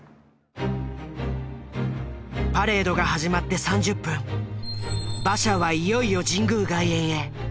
パレードが始まって３０分馬車はいよいよ神宮外苑へ。